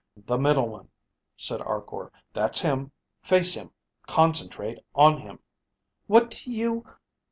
"The middle one," said Arkor. "That's him, face him, concentrate on him...." "What do you...?"